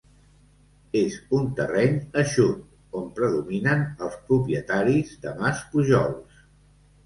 És un terreny eixut, on predominen els propietaris de Maspujols.